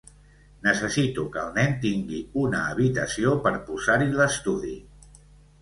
Necessito que el nen tingui una habitació per posar-hi l'estudi.